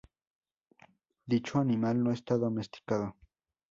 Dicho animal no está domesticado.